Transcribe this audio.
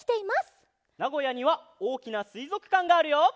なごやにはおおきなすいぞくかんがあるよ！